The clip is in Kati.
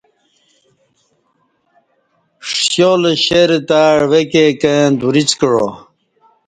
ݜیالہ شیرہ تہ عوہ کے کں دریڅ کعا